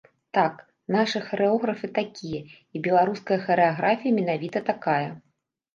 Так, нашы харэографы такія, і беларуская харэаграфія менавіта такая.